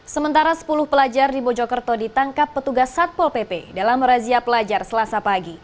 sementara sepuluh pelajar di mojokerto ditangkap petugas satpol pp dalam razia pelajar selasa pagi